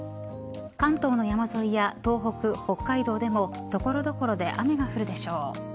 関東の山沿いや東北、北海道でも所々で雨が降るでしょう。